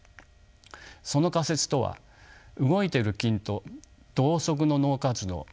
その仮説とは動いている筋と同側の脳活動